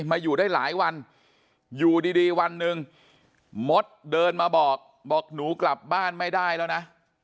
มาอยู่ได้หลายวันอยู่ดีวันหนึ่งมดเดินมาบอกบอกหนูกลับบ้านไม่ได้แล้วนะ